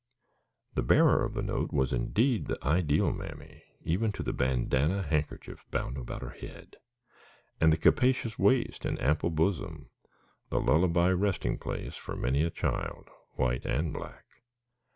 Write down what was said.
The bearer of the note was indeed the ideal mammy, even to the bandanna handkerchief bound about her head, and the capacious waist and ample bosom the lullaby resting place for many a child, white and black.